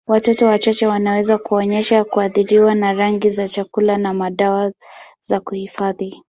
Watoto wachache wanaweza kuonyesha kuathiriwa na rangi za chakula na dawa za kuhifadhi.